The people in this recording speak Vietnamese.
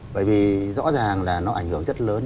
bởi vì rõ ràng là nó ảnh hưởng rất lớn